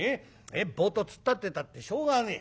ぼっと突っ立ってたってしょうがねえ。